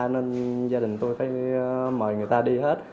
nên gia đình tôi phải mời người ta đi hết